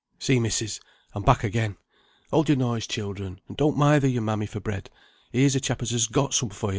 "See, missis, I'm back again. Hold your noise, children, and don't mither your mammy for bread; here's a chap as has got some for you."